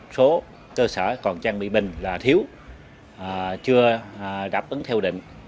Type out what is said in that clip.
số cơ sở còn trang bị bình là thiếu chưa đáp ứng theo định